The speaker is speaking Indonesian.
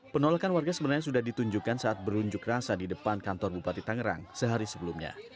penolakan warga sebenarnya sudah ditunjukkan saat berunjuk rasa di depan kantor bupati tangerang sehari sebelumnya